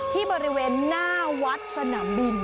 ที่บริเวณหน้าวัดสนามบิน